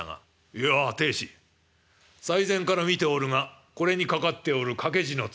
「やあ亭主最前から見ておるがこれに掛かっておる掛け字の鶴